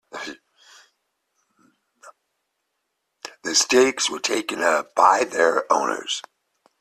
The stakes were taken up by their owners.